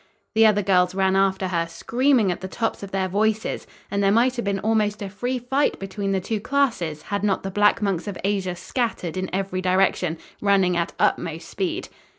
The other girls ran after her, screaming at the tops of their voices; and there might have been almost a free fight between the two classes had not the Black Monks of Asia scattered in every direction, running at utmost speed.